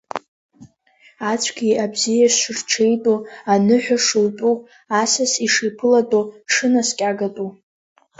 Ацәгьеи абзиеи шырҽеитәу, аныҳәа шутәу, асас ишиԥылатәу, дшынаскьагатәу…